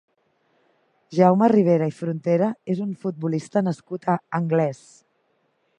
Jaume Ribera i Frontera és un futbolista nascut a Anglès.